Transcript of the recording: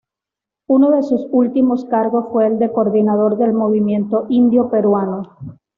Uno de sus últimos cargos fue el de coordinador del Movimiento Indio Peruano.